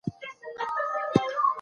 ايا حضوري ټولګي د بدن ژبه ښه څرګندوي؟